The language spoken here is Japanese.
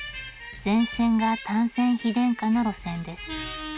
全線が単線非電化の路線です。